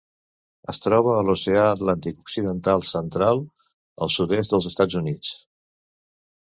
Es troba a l'Oceà Atlàntic occidental central: el sud-est dels Estats Units.